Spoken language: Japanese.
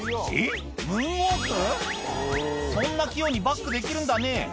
そんな器用にバックできるんだね